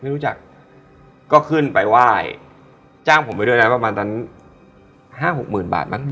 ไม่รู้จักก็ขึ้นไปไหว้จ้างผมไปด้วยนะประมาณนั้นห้าหกหมื่นบาทมั้ง